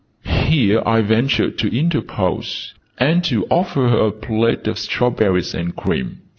Here I ventured to interpose, and to offer her a plate of strawberries and cream.